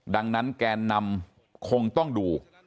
ดังนั้นแกนนำคงต้องดู